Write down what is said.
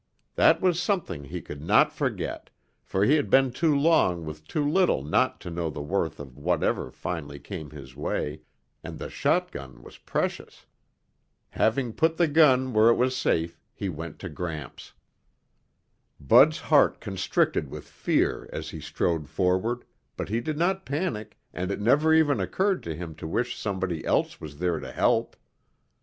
That was something he could not forget, for he had been too long with too little not to know the worth of whatever finally came his way, and the shotgun was precious. Having put the gun where it was safe, he went to Gramps. Bud's heart constricted with fear as he strode forward, but he did not panic and it never even occurred to him to wish somebody else was there to help.